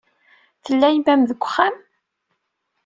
Tella yemma-m deg wexxam?